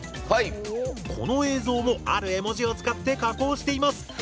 この映像もある絵文字を使って加工しています。